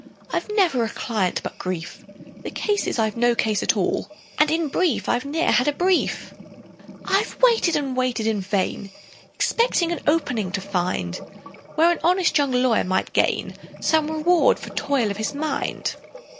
I've never a client but grief: The case is, I've no case at all, And in brief, I've ne'er had a brief! "I've waited and waited in vain, Expecting an 'opening' to find, Where an honest young lawyer might gain Some reward for toil of his mind.